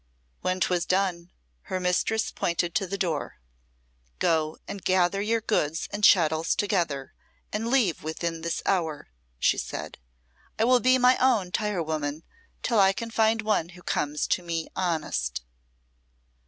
When 'twas done, her mistress pointed to the door. "Go and gather your goods and chattels together, and leave within this hour," she said. "I will be my own tirewoman till I can find one who comes to me honest."